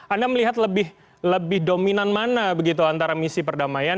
anda melihat lebih dominan mana begitu antara misi perdamaian